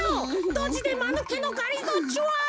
ドジでまぬけのがりぞーちゅわん。